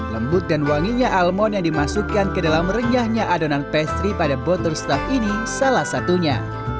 lembut dan wanginya almond yang dimasukkan ke dalam renyahnya adonan pastry pada butterstaf ini salah satunya